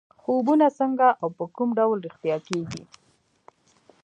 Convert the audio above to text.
خوبونه څنګه او په کوم ډول رښتیا کېږي.